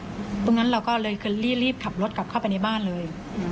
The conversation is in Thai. ตรงนั้นเราก็เลยคือรีบขับรถกลับเข้าไปในบ้านเลย